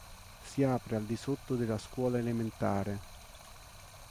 Si apre al di sotto della scuola elementare.